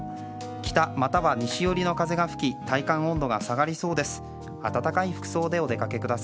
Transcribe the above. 北または西寄りの風が吹き体感温度が下がりそうです。